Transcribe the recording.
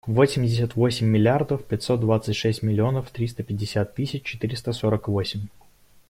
Восемьдесят восемь миллиардов пятьсот двадцать шесть миллионов триста пятьдесят тысяч четыреста сорок восемь.